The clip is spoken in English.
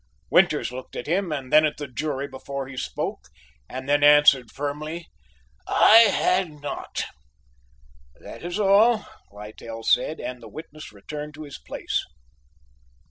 Winters looked at him and then at the jury before he spoke and then answered firmly: "I had not." "That is all," Littell said, and the witness returned to his place.